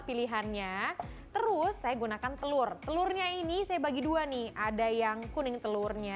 pilihannya terus saya gunakan telur telurnya ini saya bagi dua nih ada yang kuning telurnya